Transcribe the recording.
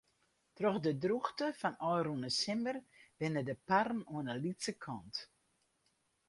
Troch de drûchte fan ôfrûne simmer binne de parren oan de lytse kant.